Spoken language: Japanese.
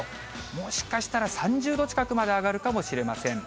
もしかしたら３０度近くまで上がるかもしれません。